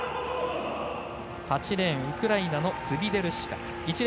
８レーンウクライナのスビデルシカ。